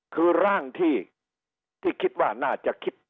คือร่างที่คิดว่าน่าจะคิด